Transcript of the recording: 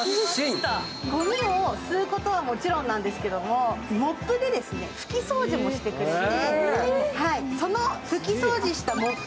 ごみを吸うことはもちろんなんですけどモップで拭き掃除もしてくれる。